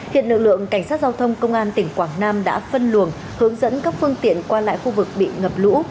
hiện lực lượng cảnh sát giao thông công an tỉnh quảng nam đã phân luồng hướng dẫn các phương tiện qua lại khu vực bị ngập lũ